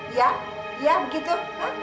iya iya begitu